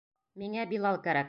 Миңә Билал кәрәк.